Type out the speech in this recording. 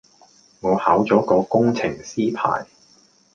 我考咗個工程師牌